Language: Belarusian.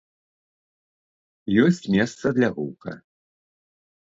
Ёсць месца для гука.